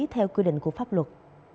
theo quy định của pháp luật